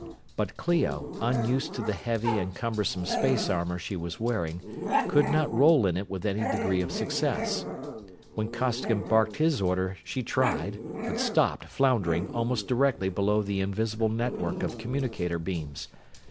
But Clio, unused to the heavy and cumbersome space armor she was wearing, could not roll in it with any degree of success. When Costigan barked his order she tried, but stopped, floundering, almost directly below the invisible network of communicator beams.